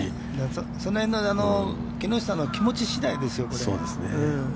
その辺の木下の気持ち次第ですよ、これ。